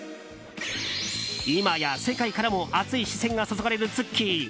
今や世界からも熱い視線が注がれるＴｓｕｋｋｉ。